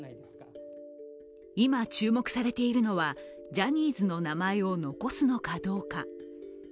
今、注目されているのはジャニーズの名前を残すのかどうか。